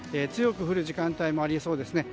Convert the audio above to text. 強く降る時間帯もありそうです。